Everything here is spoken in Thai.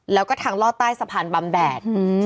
แล้วก็ทางลอดใต้สะพานบำแดด